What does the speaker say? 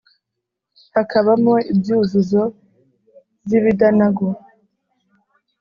Hakabamo ibyuzuzo by’ibidanago,